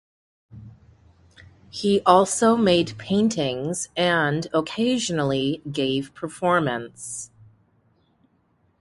He also made paintings and occasionally gave performance.